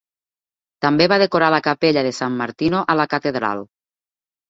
També va decorar la capella de San Martino a la catedral.